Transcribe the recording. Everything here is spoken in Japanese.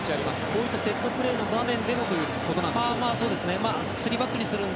こういったセットプレーの場面でもということですか。